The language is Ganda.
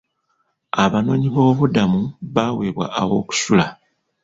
Abanoonyiboobubuddamu baaweebwa aw'okusula.